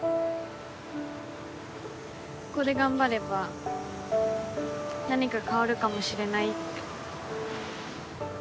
ここで頑張れば何か変わるかもしれないって。